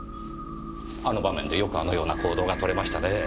あの場面でよくあのような行動がとれましたねぇ。